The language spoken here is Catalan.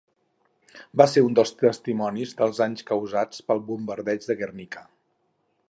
Va ser un dels testimonis dels danys causats pel Bombardeig de Guernica.